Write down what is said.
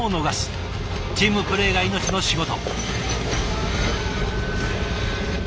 チームプレーが命の仕事。